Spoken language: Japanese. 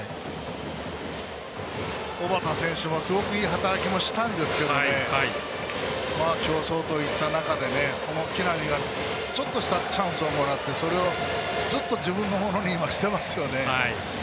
小幡選手もすごくいい働きをしたんですけど競争といった中で、木浪がちょっとしたチャンスをもらってそれを、ずっと自分のものに今、していますよね。